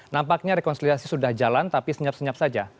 nampaknya rekonsiliasi sudah jalan tapi senyap senyap saja